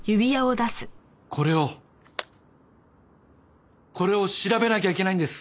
これをこれを調べなきゃいけないんです！